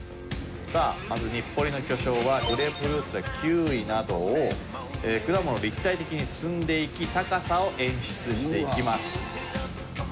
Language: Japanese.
さあまず日暮里の巨匠はグレープフルーツやキウイなどを果物を立体的に積んでいき高さを演出していきます。